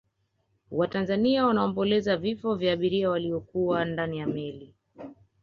watanzania wanaomboleza vifo vya abiria waliyokuwa ndani ya meli